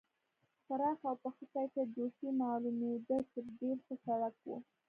پراخ او په ښه کیفیت جوړ شوی معلومېده چې ډېر ښه سړک و.